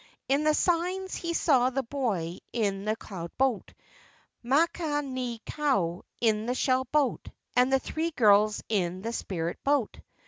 In the signs he saw the boy in the cloud boat, Makani kau in his shell boat, and the three girls in the spirit boat.